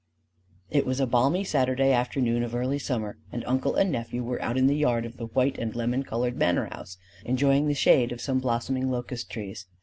It was a balmy Saturday afternoon of early summer; and uncle and nephew were out in the yard of the white and lemon colored manor house, enjoying the shade of some blossoming locust trees.